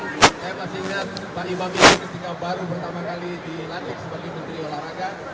saya masih ingat pak imam ini ketika baru pertama kali dilantik sebagai menteri olahraga